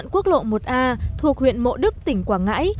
quốc lộ một a thuộc huyện mộ đức tỉnh quảng ngãi